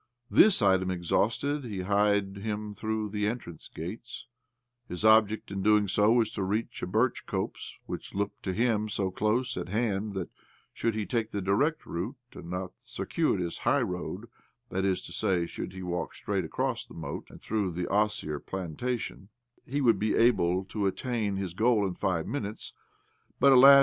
This item exhausted, he hied him through the entrance gates — his object in so doing being to reach a birch copse which looked to him so close at hand that, should he take the direct route, and not the circuitous high road (that is to say, should he walk straight across the moat, and through the osier plantation), he would be able to attain his goal in five minutes. But, alas